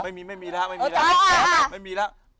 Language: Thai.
ไม่มีไม่มีแล้วไม่มีแล้ว